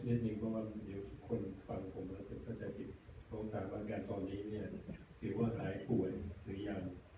ดีกว่าคนฟังผมแล้วถ้าจะติดต้องถามว่าการตอนนี้เนี่ยถือว่าหายป่วยหรือยัง